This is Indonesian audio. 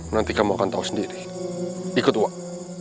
nanti kamu akan tahu sendiri ikut uang